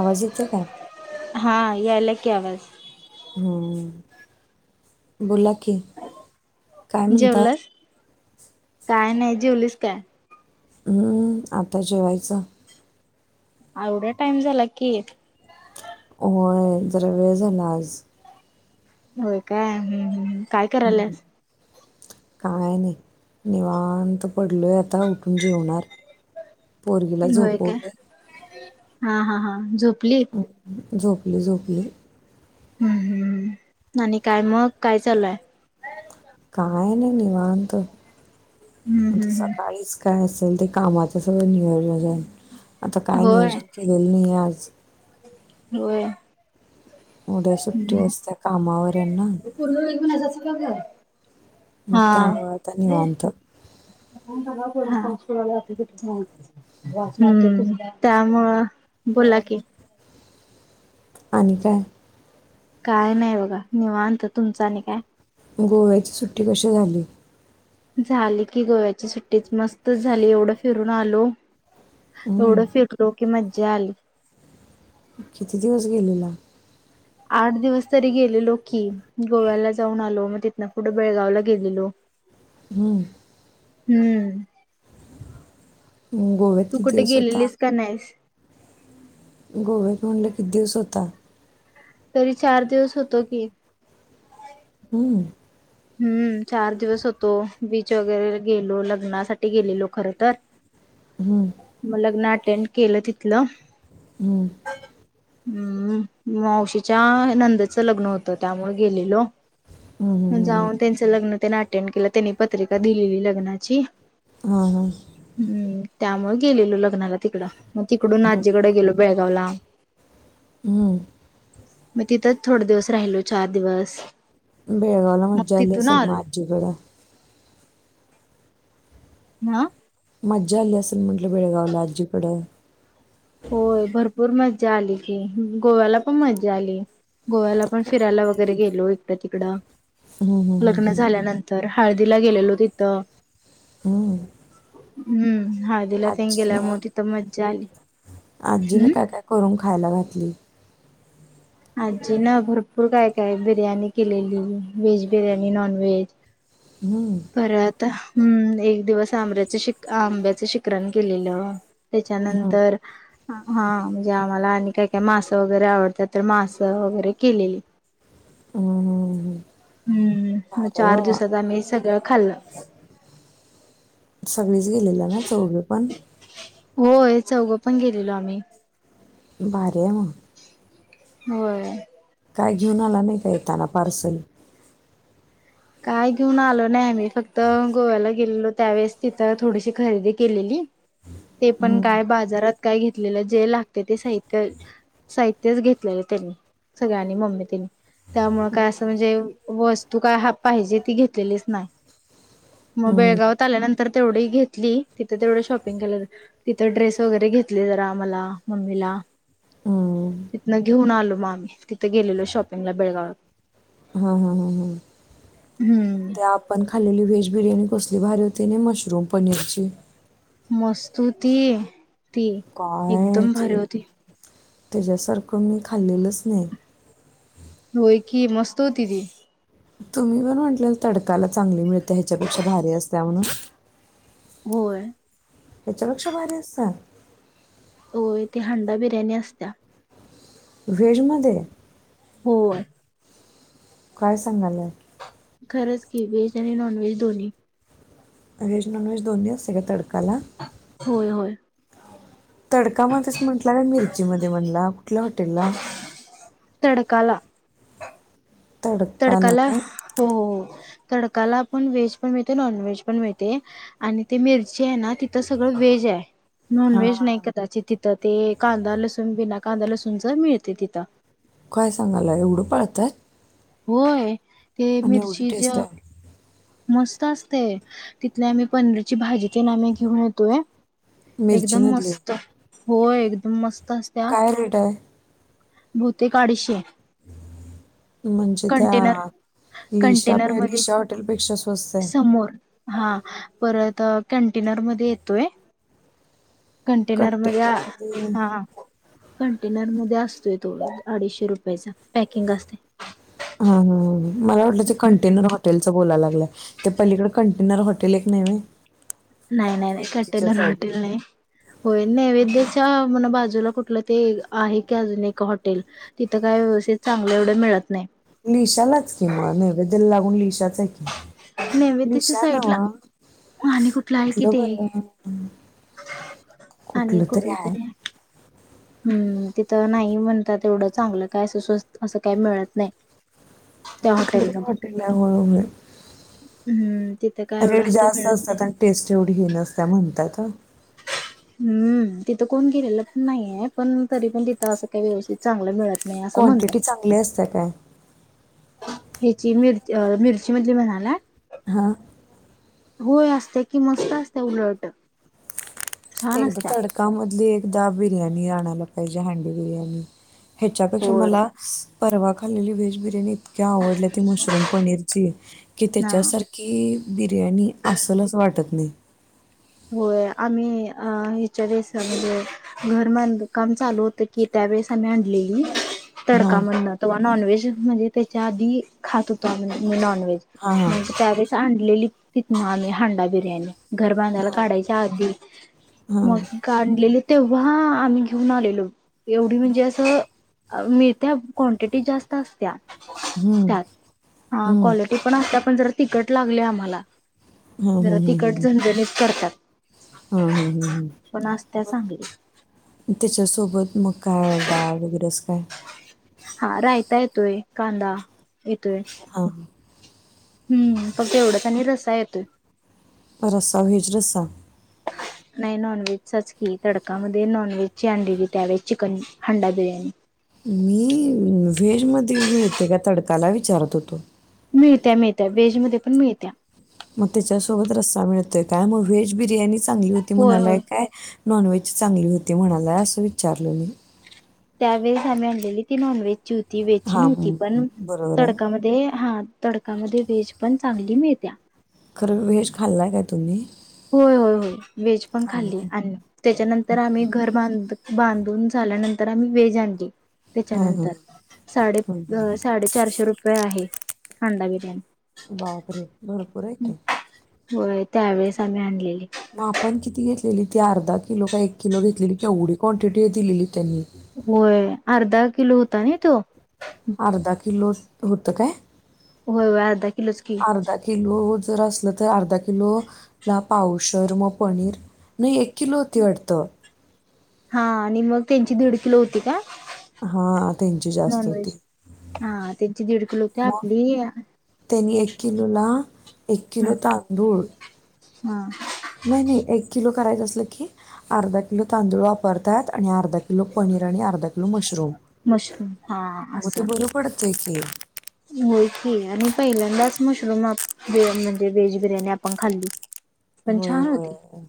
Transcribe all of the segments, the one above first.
आवाज येते काय हा या अलग क आवाज ह बोला की काय म्हणताय जेवलास काय नाही जेवलीस काय हम्म आता जेवायचं आवडा टाइम झाला की होय जरा वेळ झाला आज हो का हम्म हम्म काय करायलास काय नाही निवांत पडलो आता उठून जेवणार पोरगिला होय काय झोपले हा हा हा जो झोपली झोपली हम्म हम् आणि काय मग काय चालूय काय नाही निवाांत हम्म आता हम्म हम्म सकाळीच काय ते कामाच सगळ नियर बजा आता काय नियोजन केलेलं नाही आज ह हो उद्या सुट्टी असत कामावर आहेना पूर्ण वेळ घेऊन असाच का मग हा त्यामुळे नीवत म् त्यामुळं बोला कि आणि काय काय नाही बघा निवांत तुमचा आणि काय गोव्याची सुट्टी कशी झाली झाली की गोव्याची सुट्टीच मस्त झाली एवढं फिरून आलो हम्म. एवढं फिरलो की मजज चाल किती दिवस गेलेला. आठ दिवस तरी गेलेलो की, गोव्याला जाऊन आलो मग तिथन पुढं बेळगावला गेलेलो. हूं! हूं! हम्म, गोव्यात तू किती कुठे दिवस होता गेलेलीस का नाहीस? गोव्यात म्हणलं किती दिवस होता? तरी चार दिवस होतो की. [inaudible] हूं चार दिवस होतो, बीच वगैरे गेलो लग्नासाठी गेलेलो खर तर मलग्न नाट अटेंड केलं तिथलं. हुम मावशीच्या नंदेचं लग्न होतं, त्यामुळे गेलेलो. हम्म, हम्म, हम्म. त्यांनं अटेंनं केला, त्यांनी पत्रिका दिलेली लग्नाची. हा हा हूं त्यामुळ. गेलेलो लग्नाला तिकडं. मग तिकडून आजीकडे गेलो, बेळगाव ला. [inaudible] हू मग तिथंच थोड दिवस राहिलो चार दिवस बेळगाला मग मज्जा आली तिथून आसल म आलो आजीकडं न्हा मज्जा आली आसल म्हटलं, बेळगावला आजीकड होय भरपूर मज्जा आली की, गोव्याला पण मज्जा आली. गोव्याला पण फिरायला वगैरे गेल लो इकड तिकड हम्म हम्म, लग्न झाल्यानंतर. हळदीला गेलेलो तिथ. हू! हू! हळदीला तेन गेल्यामुळ, तिथं मज्जा आली. आजीन हम्म काय, काय, करून खायाला घातली? आजीन भरपूर काय काय बिर्याणी केलेली, व्हेज बिर्याणी, नॉन व्हेज. हम्म बरं आता. हू एक दिवस आमर्याच शिक, आंब्याच शिकरण, केलेलं. हम्म तेच्यानंतर. हा म्हणजे आम्हाला आणि काय, काय, मासं वगैरे आवडत्यात तर मास, वगैरे केलेली. हू, हू, हू! हम्म म चार दिवसात आम्ही सगळं खाल्लं. सगळीच गेलेलाना चौघपण. होय चौघं पण गेलेलो आम्ही, भारी हाय म! होय. काय घेऊन आला नाही. काय येताना पार्सल काय घेऊन आलो नाही, आम्ही फक्त गोव्याला गेलेलो त्यावेेळेस तिथं थोडीशी खरेदी केलेली. ते पण काय बाजारात काय घेतलेलं, जे लागतय ते साहित्य साहित्यच घेतलेलं त्यांनी सगळ्यांनी मम्मी तेनी, त्यामुळ काय असं म्हणजे वस्तू काय, हा पाहिजे ती घेतलेलीच नाही. मग हम्म बेळगावात आल्यानंतर तेवढी घेतली. तिथ तेवढं शॉपिंग केलं तिथं ड्रेस वगैरे घेतले, जरा मला मम्मीला हम्म. तिथनं घेऊन आलो, म आम्ही तिथं गेलेलो शॉपिंगला बेळगावात. हा हा हा हा. हम्म ते आपण खालेली व्हेज बिर्याणी, कसली बारी होते नही, मशरूम पनीरची. मस्त होती. ती एकदम भा तेज्या सारखं मी खाल्लेलंच नाही. होय की मस्त होती ती. तुम्ही पण म्हटले तडकाला चांगली मिळते. ह्याच्यापेक्षा भारी असत्या म्हणून. होय. हेच्यापेक्षा भारी अस होय ती हंडा बिर्याणी असत्या. व्हेज मध्ये, होय. काय सांगलंय खरंच की व्हेज आणि नॉन व्हेज दोन्ही व्हेज नॉन व्हेज दोन्ही असते, का तडकाला होय होय. तडका मध्येच म्हंटल्याला का मिरची मध्ये म्हटला कुठल्या हॉटेलला तडकाला. तडकाला हो हो. तडकाला आपण व्हेज पण मिळते, नॉन व्हेज पण मिळते आणि ते मिरची आहे ना तिथं सगळं व्हेज आहे. नॉन व्हेज नाही हां. कदाचित ती तर ते कांदा लसूण बिना कांदा लसूणच मिळते तिथं. काय सांगाला एवढं पाळताय. होय. ते मिरचीज टेस्ट आहे? मस्त असतेय तिथल्या आम्ही, पनीरची भाजी तेन घेऊन येतोय. एकदम मिरचीमधली? मस्त! होय, एकदम मस्त- असत्या काय रेट आहे? बहुतेक अडीचशे - म्हणजे कंटेनर त्या लिशा कंटेनर मधे लिशा हॉटेलपेक्षा स्वस्त आहे. -समोर हा- परत कंटेनर मध्ये येतोय- कंटेनर मला कंटेनरमध्ये हा- कंटेनर मध्ये असतोय थोडा अडीचशे रुपयाचा. पॅकिंग असते हा ह मला वाटल तो कंटेनर [unintelligible] हॉटेलच बोलाय लागलंय ते पलीकडडे कंटेनर हॉटेलये की नाही? नाही नाही मिरचीच्या कंटेनर साईडला हॉटेल नाही. होय नैवेदयच्या म्हण बाज- तुला कुठलं ते आहे की अजून एक हॉटेल. तिथं काई व्यवस्थित चांगलं एवढं मिळत नाही. निशालाच म नैवेदयला लागून निशाच- नैवेदयच्या साईडला- आणि कुठलं आहे कि ते -आणि कुठलं तरी- हम्म तिथं नाही म्हणतात एवढं चांगलं काय असं खास विशेष असं काही मिळत नाही. त्या कुठलं तरी हॉटेलमध्ये हॉटेल [unintelligible] हम्म तिथं काय एवढं रेट असं जास्त मिळत नाही. असतात आणि टेस्ट एवढी हे नाही. असं म्हणतात हं. हम्म -तिथं कोण गेलेलं पण नाहीये. पण तरी पण, तिथं असं काही व्यवस्थित चांगलं मिळत- नाही असं म्हणतात. क्वांटिटी चांगली असते काय? ह्याची मिरची अ मिरची मधली म्हणाला- हा. होय, असतय कि मस्त असते उलट- छान एकदा असत्या तडका मधली एकदा बिर्याणी आणाय- [unintelligible] ह्याच्यापेक्षा होय मला- परवा खाल्लेली व्हेज बिर्याणी- इतक्या आवडल्या की मशरूम पनीरची कि तिच्या हा. सारखी- बिर्याणी अस्सलच वाटत नाही. होय, आम्ही अ ह्याच्या वेळेस म्हणजे -घर बांध काम चालू होत की त्यावेेळेस आम्ही आणलेली- हां. तडका म्हणल तो नॉनवे [unintelligible] म्हणजे, त्याच्या आधी खात होतो आम्ही हां, [unintelligible] हां. म्हणजे पॅरिस [unintelligible] ली तिथुन आम्ही हांंडा बिर्याणी- घर हां. बांधाय- म हां. लेले तेव्हा आम्ही घेऊन आलेलो एवढी म्हणजे असं मिळत्या क्वांटिटी जास्त असत्या हं. त्यात हा हं. क्लिटी पण असते पण ज तिकट लागले आम्हाला जरा तिकट झणजणीच करतात हा हम हम हम् पण असत्या चांगली म त्याच्या सोबत सोबत मग काय डाळ वगैरेच काय हा रायता येतोय कांदा येतय हां. हम्म पग तेवढाच आणि रसा येतोय रसा हेच रसा नाही नॉनव्हेजचाचकीी तडकामध्ये नॉनव्हेज ची अंडी घ त्या्यावे चिकन हंडा बिर्याणी मी व्हेज मध्ये मिळते का तडकाला विचारत होतो मिळत्या मिळत्या वेजमध्येध्ये पण मिळत्या मग त्याच्यासोबत रस्सा मिळतोय काय मग व्हेज बिर्याणी चांगली होती होय म्हणाला होय काय नॉन व्हेज चांगली होती म्हणाला असं विचारलं मी त्यावेळेस आम्ही आणलेली ती नॉन व्ज चूती वेच हां नव्हती हं, हं. पण बरोबर आहे तडकामध्ये हा तडकामध्ये वेज पण चांगली मिळत्या खरं व्हेज खाल्लाय काय तुम्ही होय होय होय व्हेज पण खाल्ली खाल्लाय आणि त्याच्यानंतर आम्ही घर बांध बांधून झाल्यानंतर आम्ही वेज आणली हां हां त्याच्यानंतर साडे हं, हं. अ साडेचारशे रुपये आहे हांडा बिरयाणी बापरे भरपूरय का होय त्यावेेळेस आम्ही आणले मग आपण किती घ ली तीर्ा किलो का एक किल घेतलेली केवढी क्वांटिटी आहे दिलेली त्यांनी होय अर्धा किलो होता ना तो अर्धा किलो होत काय होय व अर्धा किलोच की ज असलं तर अर्धा किलो ला पावसर मग पनीर नाही एक किलो होती अडतं हा आणि मग त्यांची दीड किलो होती का हा त्यांची जास्त होती नॉनव्हेज हा त्यांची दीड किलो होती मग आपली हा त्यांनी एक किलो ला एक किलो तांदूळ हम नाही नाही एक किलो करायचं असलं की अर्धा किलो तांदूळ वापरतायात आणि अर्धा किलो पनीर आणि अर्धा किलो मशरूम मशरूम हा मग ते असं बरं पडतंय की. होख आणि पहिल्यांदाच मशरूम म्हणजे वेहेज बिर्याणी आपण खाल्ली पण होय, छान होती होय.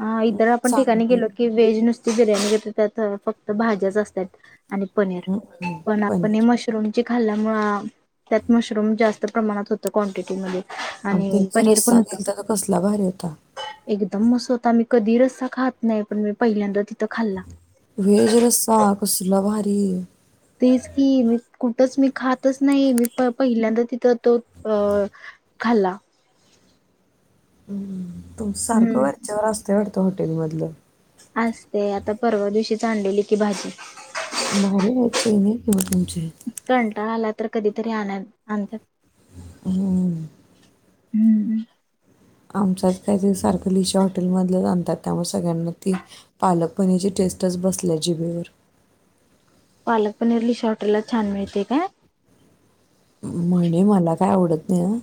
हा अ, इतर आपण ठिकाणी चांगली गेलो की वेज नुस बिर्याणी घेते त्यात फक्त भाज्याच असतात आणि पनीर हं, हं. पण आपण हे पनीर मशरूम खाल्ल्यामुं त्यात मशरूम जास्त प्रमाणात होत क्वांटिटीमध्ये आणि त्यांचा पनीर पण रस्सा होत केलता तो कसला भारी होता. एकदम मस्त होता म कधी रस्सा खात नाही पण म पहिल्यांदा खाल्ला. वेज रस्सा कसला भारी तीन तेच की मी कुठंच मी खातच नाही मी प पहिल्यांदा तिथं तो अ खाल्ला हम्मम तू सारखं वरच्यावर असते ते हॉटेलमधल आस्ते आता परवा दिवशी चांलेली की भाजी भारी आहे चैनी आहे मग तुमची कंटाळा आलाय कधीतरी आण आणतात हो हम्म आमचच काहीतरी सारखं लिशा हॉटेलमधलंच आणतात त्यामुळे सगळ्यांना ती पालकपणीची टेस्टच बसल्या जिबेवर पालक पनीर लि श हॉटेलला छान मिळते काय म्हणे मला काय आवडत नाही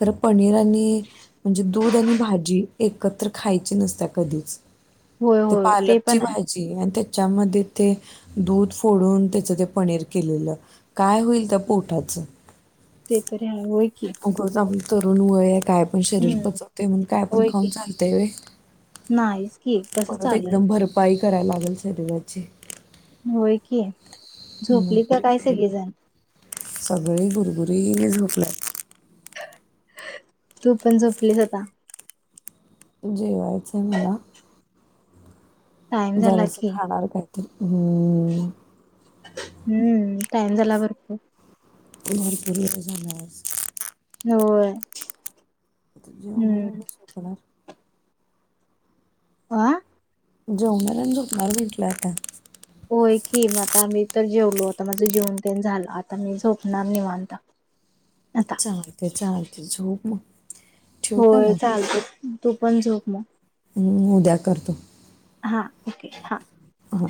खर पनीर आणि म्हणजे दूध आणि भाजी एकत्र खायचे नसत्या कधीच होय ते होय पालकची पण आहे भाजी आणि ते त्याच्यामध्ये ते दूध फोडून त्याचं ते पनीर केलेलं काय होईल त्या पोठाचं ते तरी आहे की उगाच आपलं तरुण वय काय पण शरीर हम्म पचवते म्हण काय पण होय खाऊन की चालते नाहीच की कसं परत चालेल एकदम भरपाई कराय लागल शरीराची. होय की, मग झोपली का तरी काय तरी पण सगळेजण. सगळी गुरगुरीने झोकल्यात. तू पण झोपलीस आता. जेवायचंय मला. टाइम झाला जरासं की खाणार काय? हो. हम्म टाइम झाला भरपूर. झालं आज. हो. आता जेवणार आहे मी सोपणार [unintelligible] आ जेवणार आणि झोपणार म्हटल आता. होय की म आता आम्ही त जेवलो आता माझं जेऊन पण झालं आता मी झोपणार निवांत. आता चालत चालत झोप म. होय चालत. तू पण झोप म. हम् उद्या करतो. हा ओके हा. हा